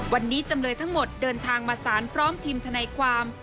วันนี้จำเลยทั้งหมดเดินทางมาสารพร้อมทีมทนายความ